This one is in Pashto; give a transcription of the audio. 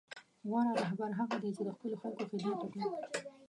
غوره رهبر هغه دی چې د خپلو خلکو خدمت وکړي.